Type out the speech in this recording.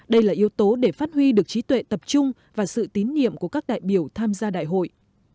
đây là yếu tố để phát huy được trí tuệ tập trung và sự tín nhiệm của các đại biểu tham gia đại hội